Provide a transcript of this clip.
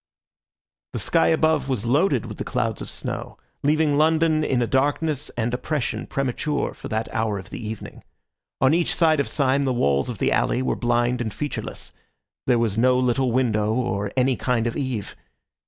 The sky above was loaded with the clouds of snow, leaving London in a darkness and oppression premature for that hour of the evening. On each side of Syme the walls of the alley were blind and featureless; there was no little window or any kind of eve.